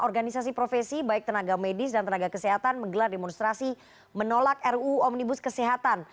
organisasi profesi baik tenaga medis dan tenaga kesehatan menggelar demonstrasi menolak ruu omnibus kesehatan